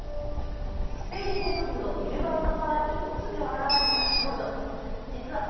スペイン北部のビルバオの川に突如現れた少女の顔。